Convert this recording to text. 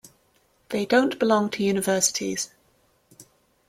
They don't belong to universities.